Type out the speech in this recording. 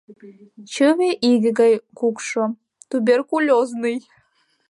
Чыве иге гай кукшо, туберкулёзный.